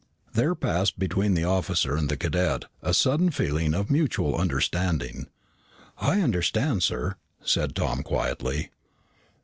There passed between the officer and the cadet a sudden feeling of mutual understanding. "I understand, sir," said Tom quietly.